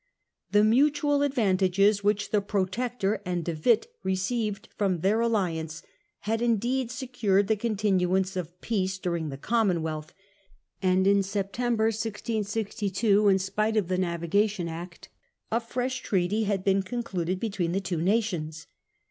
The mutual advantages which the Protector and l)e Witt received from their alliance had indeed secured the continuance of peace during the Commonwealth ; and in Sep September tcmber 1662, in spite of the Navigation Act, 166a. a f res h treaty had been concluded between the two nations.